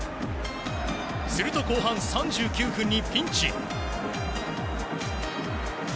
すると後半３９分にピンチ。